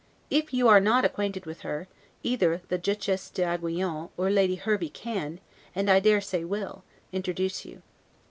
If you are not acquainted with her, either the Duchesse d'Aiguillon or Lady Hervey can, and I dare say will; introduce you.